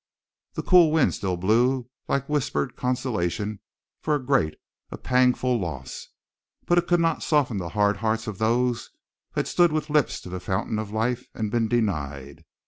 The cool wind still blew like whispered consolation for a great, a pangful loss, but it could not soften the hard hearts of those who had stood with lips to the fountain of life and been denied.